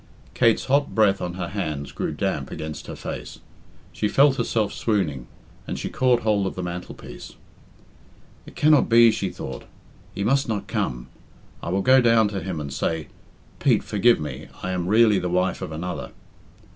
Kate's hot breath on her hands grew damp against her face. She felt herself swooning, and she caught hold of the mantelpiece. "It cannot be," she thought. "He must not come. I will go down to him and say, 'Pete, forgive me, I am really the wife of another.'"